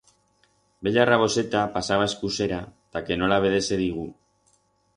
Bella raboseta pasaba escusera ta que no la vedese digú.